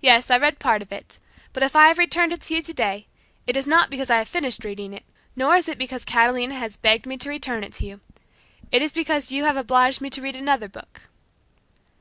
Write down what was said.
"Yes, I read part of it, but if I have returned it to you today, it is not because I have finished reading it, nor is it because Catalina has begged me to return it to you. It is because you have obliged me to read another book."